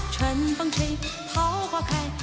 ฉันต้องใช้เพราะเขา